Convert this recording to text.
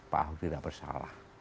pak ahok tidak bersalah